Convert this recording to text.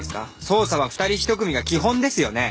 捜査は二人一組が基本ですよね？